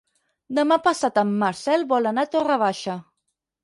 Demà passat en Marcel vol anar a Torre Baixa.